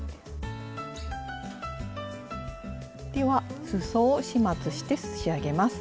ではすそを始末して仕上げます。